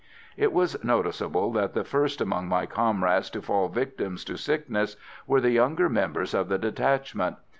It was noticeable that the first among my comrades to fall victims to sickness were the younger members of the detachment.